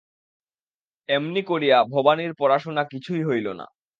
এমনি করিয়া ভবানীর পড়াশুনা কিছুই হইল না।